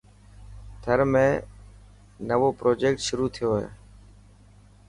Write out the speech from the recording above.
ٿر ۾ نوو پروجيڪٽ شروع ٿيو هي.